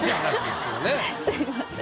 すみません。